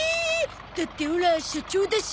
だってオラ社長だし。